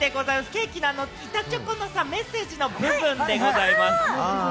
ケーキの板チョコのメッセージの部分でございます。